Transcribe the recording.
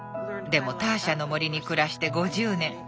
でもターシャの森に暮らして５０年。